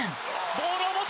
ボールを持つ！